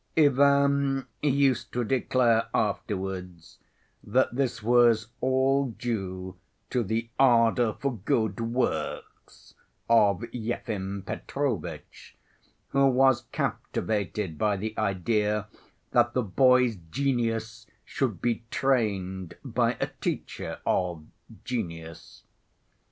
Ivan used to declare afterwards that this was all due to the "ardor for good works" of Yefim Petrovitch, who was captivated by the idea that the boy's genius should be trained by a teacher of genius.